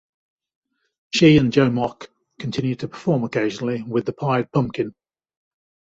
She and Joe Mock continued to perform occasionally with The Pied Pumkin.